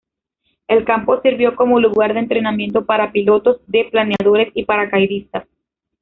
El campo sirvió como lugar de entrenamiento para pilotos de planeadores y paracaidistas.